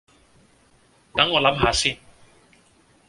等我諗吓先